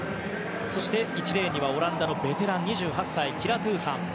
そして、１レーンにはオランダのベテラン２８歳、キラ・トゥーサン。